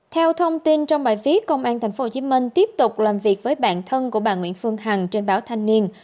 theo thông tin trong bài viết công an tp hcm tiếp tục làm việc với bạn thân của bà nguyễn phương hằng trên báo thanh niên